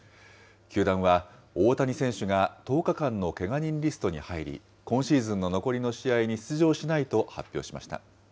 球団は大谷選手が１０日間のけが人リストに入り、今シーズンの残りの試合に出場しないと発表しました。